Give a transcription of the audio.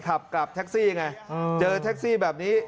กลับยังไง